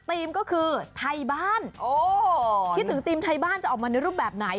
ทีมก็คือไทยบ้านคิดถึงทีมไทยบ้านจะออกมาในรูปแบบไหน